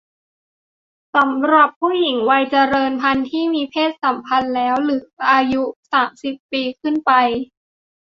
สำหรับผู้หญิงวัยเจริญพันธุ์ที่มีเพศสัมพันธ์แล้ว หรืออายุ สามสิบ ปีขึ้นไป